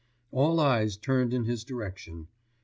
All eyes turned in his direction.